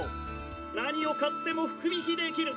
何を買っても福引できる！